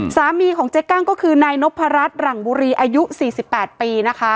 สามีของเจ๊กั้งก็คือนายนนกพระรัสหลังบุรีอายุสี่สิบแปดปีนะคะ